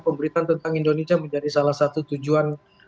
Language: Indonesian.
pemberitaan tentang indonesia menjadi salah satu tujuan